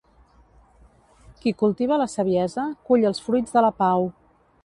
Qui cultiva la saviesa, cull els fruits de la pau.